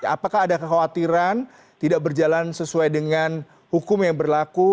apakah ada kekhawatiran tidak berjalan sesuai dengan hukum yang berlaku